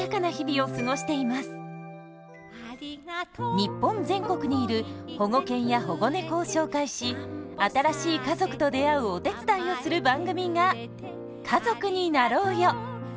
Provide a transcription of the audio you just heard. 日本全国にいる保護犬や保護猫を紹介し新しい家族と出会うお手伝いをする番組が「家族になろうよ」。